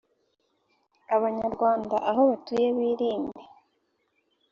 abanyarwanda aho batuye birinde